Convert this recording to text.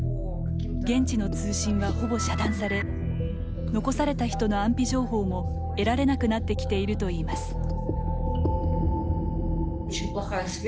現地の通信はほぼ遮断され残された人の安否情報も得られなくなってきているといいます。